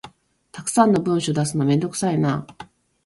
たくさんの文書出すのめんどくさいな